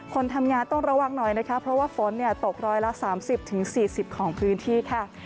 คนทำงานต้องระวังหน่อยนะคะเพราะว่าฝนตกร้อยละ๓๐๔๐ของพื้นที่ค่ะ